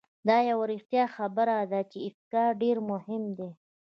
دا یوه رښتیا خبره ده چې افکار ډېر مهم دي.